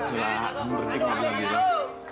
mila berhenti mau bilang bilang